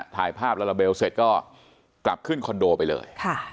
ถ่ายภาพลาลาเบลเสร็จก็กลับขึ้นคอนโดไปเลย